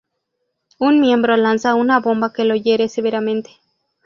Un miembro lanza una bomba que lo hiere severamente.